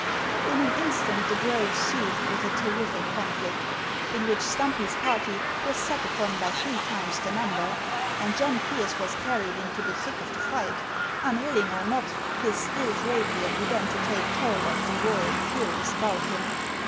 In an instant the grove seethed with a terrific conflict, in which Stumpy's party was set upon by three times the number. And John Pearse was carried into the thick of the fight; unwilling or not, his skilled rapier began to take toll of the roaring furies about him.